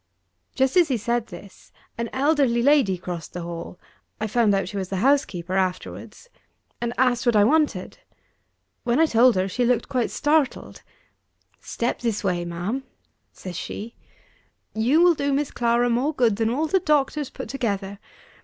Just as he said this, an elderly lady crossed the hall (I found out she was the housekeeper, afterwards), and asked what I wanted. When I told her, she looked quite startled. "Step this way, ma'am," says she; "you will do Miss Clara more good than all the doctors put together.